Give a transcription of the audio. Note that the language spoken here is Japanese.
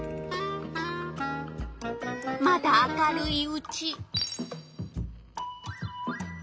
まだ明るいうち。